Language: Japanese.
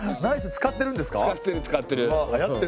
使ってる使ってる。